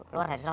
lari sih ya